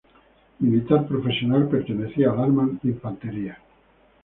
Militar profesional, pertenecía al arma de infantería.